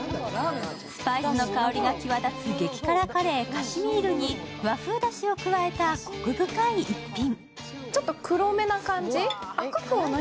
スパイスの香りが際立つ激辛カレー、カシミールに和風だしを加えたコク深い逸品。